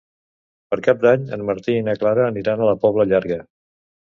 Per Cap d'Any en Martí i na Clara aniran a la Pobla Llarga.